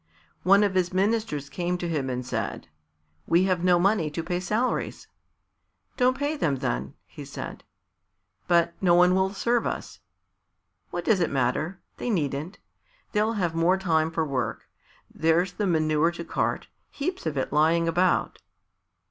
One of his ministers came to him and said, "We have no money to pay salaries." "Don't pay them, then," he said. "But no one will serve us." "What does it matter? They needn't. They'll have more time for work. There's the manure to cart; heaps of it lying about."